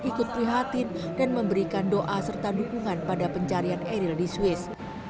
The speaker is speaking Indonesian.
ikut prihatin dan memberikan doa serta dukungan pada pencarian eril di swiss